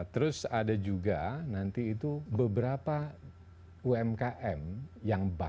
terus ada juga nanti itu beberapa umkm yang bagus